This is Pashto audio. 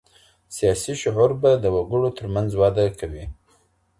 سياسي شعور به د وګړو ترمنځ وده کوي.